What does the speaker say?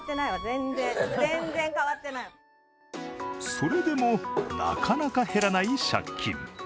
それでもなかなか減らない借金。